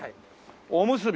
おむすび。